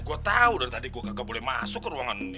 gue tahu dari tadi gue gak boleh masuk ke ruangan